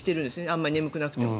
あまり眠くなくても。